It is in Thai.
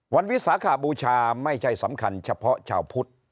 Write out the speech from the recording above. วิสาขบูชาไม่ใช่สำคัญเฉพาะชาวพุทธ